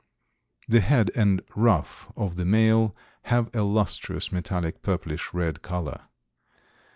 The head and ruff of the male have a lustrous metallic purplish red color.